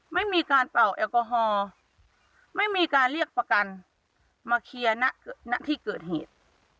ไม่มีการเป่าแอลกอฮอล์ไม่มีการเรียกประกันมาเคลียร์ณที่เกิดเหตุ